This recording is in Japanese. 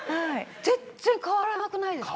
全然変わらなくないですか？